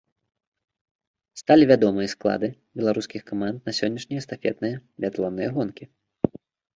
Сталі вядомыя склады беларускіх каманд на сённяшнія эстафетныя біятлонныя гонкі.